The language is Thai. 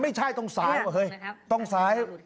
ไม่ใช่ตรงซ้ายว่ะเฮ้ยตรงซ้าย